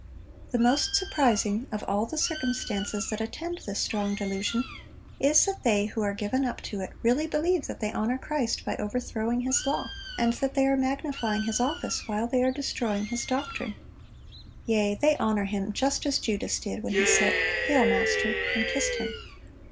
The most surprising of all the circumstances that attend this strong delusion, is that they who are given up to it, really believe that they honor Christ by overthrowing His law, and that they are magnifying His office while they are destroying His doctrine! Yea, they honor Him just as Judas did when he said, 'Hail, Master, and kissed Him.